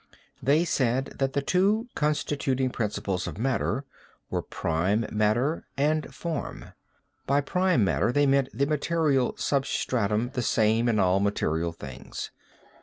They said that the two constituting principles of matter were prime matter and form. By prime matter they meant the material sub stratum the same in all material things.